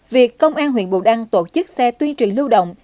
việc công an huyện bù đăng tổ chức xe tuyên truyền lưu động